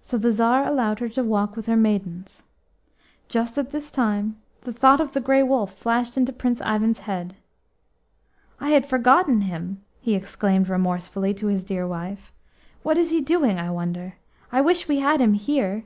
So the Tsar allowed her to walk with her maidens. Just at this time the thought of the Grey Wolf flashed into Prince Ivan's head. "I had forgotten him," he exclaimed remorsefully to his dear wife. "What is he doing, I wonder? I wish we had him here."